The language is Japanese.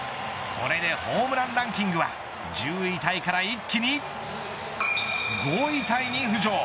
これでホームランランキングは１０位タイから一気に５位タイに浮上。